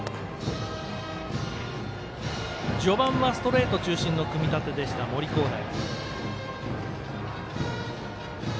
序盤はストレート中心の組み立てでした、森煌誠。